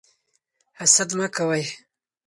حسد مه کوئ.